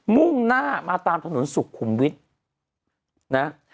มุ่งหน้ามาตามถนนสุขุมวิทย์นะ